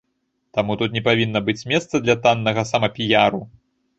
Таму тут не павінна быць месца для таннага самапіяру.